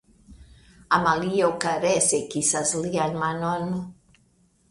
Amalio karese kisas lian manon.